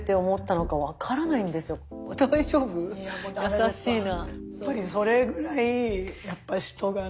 優しいな。